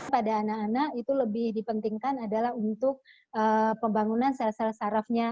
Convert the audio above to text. pada anak anak itu lebih dipentingkan adalah untuk pembangunan sel sel sarafnya